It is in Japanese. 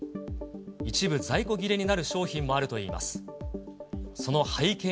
一部在庫切れになる商品もあるといいます。